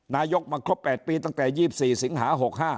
นายกมาครบ๘ปีตั้งแต่๒๔สิงหา๖๕